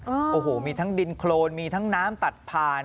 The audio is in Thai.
โอ้โหมีทั้งดินโครนมีทั้งน้ำตัดผ่าน